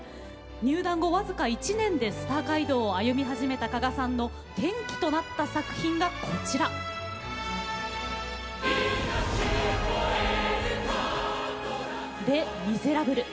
入団後、僅か１年でスター街道を歩み始めた鹿賀さんの転機となった作品がこちら「レ・ミゼラブル」。